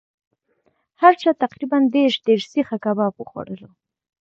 هر چا تقریبأ دېرش دېرش سیخه کباب وخوړلو.